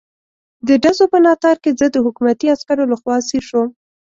د ډزو په ناتار کې زه د حکومتي عسکرو لخوا اسیر شوم.